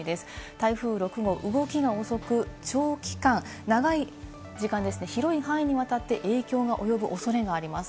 台風６号、動きが遅く、長い時間ですね、広い範囲にわたって影響が及ぶ恐れがあります。